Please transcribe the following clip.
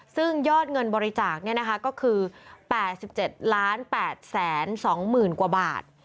ซึ่งยอดเงินบริจาคก็คือ๘๗๘๒๐๐๐กว่าบาท